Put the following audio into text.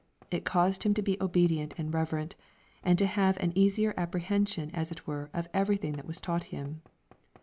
It caused him to be obedient and reverent, and to have an easier apprehension as it were of everything that was taught him.